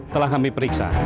telah kami periksa